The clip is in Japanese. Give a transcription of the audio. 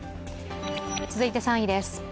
続いて３位です。